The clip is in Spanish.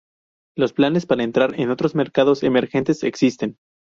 Los planes para entrar en otros mercados emergentes existen.